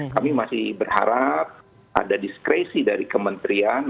kami masih berharap ada diskresi dari kementerian